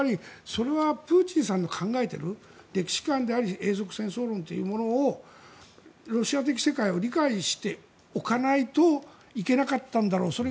それはプーチンさんの考えている歴史観であり永続戦争論というものをロシア的世界を理解しておかないといけなかったんだろう。